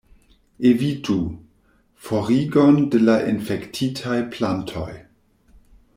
Evitu: forigon de la infektitaj plantoj.